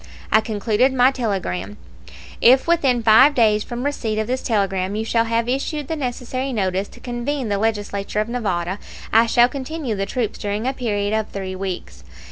I concluded my telegram: "If within five days from receipt of this telegram you shall have issued the necessary notice to convene the Legislature of Nevada, I shall continue the troops during a period of three weeks.